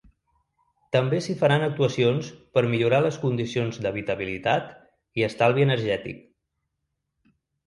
També s’hi faran actuacions per millorar les condicions d’habitabilitat i estalvi energètic.